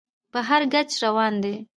په هر کچ روان دى.